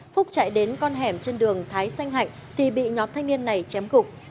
phúc chạy đến con hẻm trên đường thái xanh hạnh thì bị nhóm thanh niên này chém cục